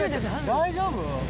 大丈夫？